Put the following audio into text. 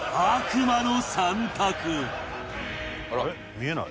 見えない。